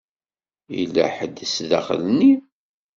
Yella ḥedd zdaxel-nni.